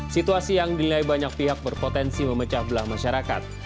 situasi yang dinilai banyak pihak berpotensi memecah belah masyarakat